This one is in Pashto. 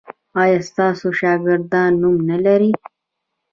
ایا ستاسو شاګردان نوم نلري؟